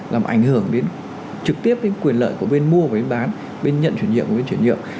làm ảnh hưởng đến trực tiếp đến quyền lợi của bên mua và bên bán bên nhận chuyển nhượng và bên chuyển nhượng